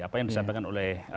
apa yang disampaikan oleh